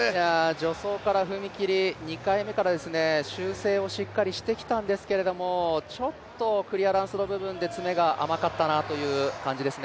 助走から踏切、２回目からしっかり修正をしてきたんですけどちょっとクリアランスの部分で詰めが甘かった感じです。